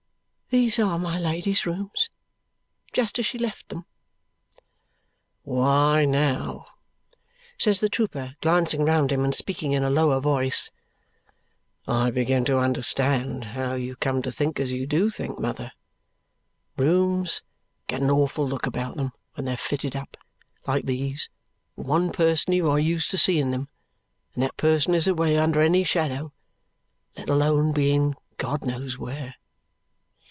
"These are my Lady's rooms, just as she left them." "Why, now," says the trooper, glancing round him and speaking in a lower voice, "I begin to understand how you come to think as you do think, mother. Rooms get an awful look about them when they are fitted up, like these, for one person you are used to see in them, and that person is away under any shadow, let alone being God knows where."